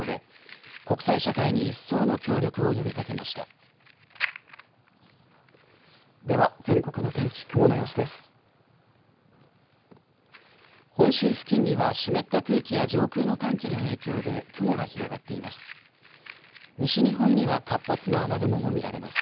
本州付近には湿った空気や上空の寒気の影響で雲が広がっています。